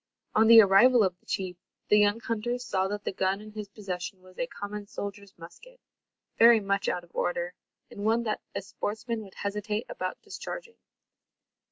On the arrival of the chief, the young hunters saw that the gun in his possession was a common soldier's musket, very much out of order, and one that a sportsman would hesitate about discharging.